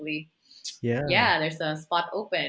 ya ada slot kosong